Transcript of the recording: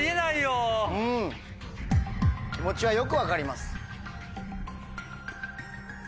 うん気持ちはよく分かります。